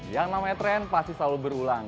yang namanya tren pasti selalu berulang